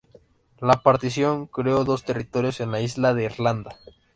La partición creó dos territorios en la isla de Irlanda.